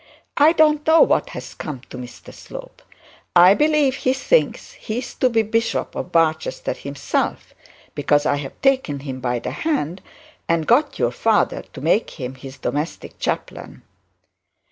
'I don't know what has come to Mr Slope. I believe he thinks he is to be Bishop of Barchester himself, because I have taken him by the hand, and got your father to make him his domestic chaplain.'